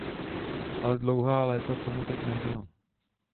Ale dlouhá léta tomu tak nebylo.